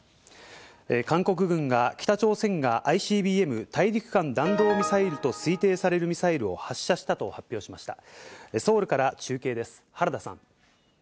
韓国軍が北朝鮮がＩＣＢＭ＝大陸間弾道ミサイルと推定されるミサイルを発射したと発表しました。